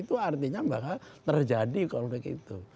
itu artinya bakal terjadi konflik itu